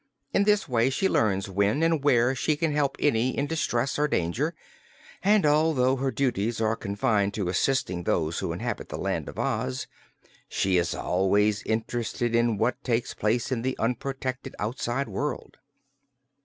In this way she learns when and where she can help any in distress or danger, and although her duties are confined to assisting those who inhabit the Land of Oz, she is always interested in what takes place in the unprotected outside world.